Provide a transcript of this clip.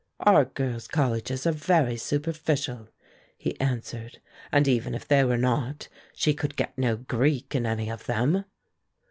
"Our girls' colleges are very superficial," he answered; "and even if they were not, she could get no Greek in any of them."